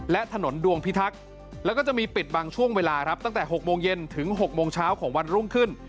และถนนดวงพิทักษ์แล้วก็จะมีปิดบางช่วงเวลาครับตั้งแต่๖โมงเย็นถึง๖โมงเช้าของวันรุ่งขึ้น